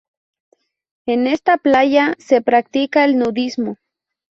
En esta playa se practica el nudismo.